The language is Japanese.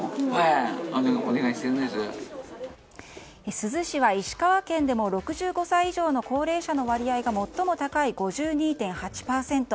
珠洲市は石川県でも６５歳以上の高齢者の割合が最も高い５２．８％。